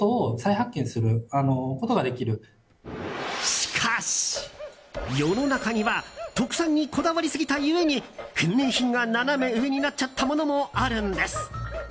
しかし、世の中には特産にこだわりすぎたゆえに返礼品がナナメ上になっちゃったものもあるんです。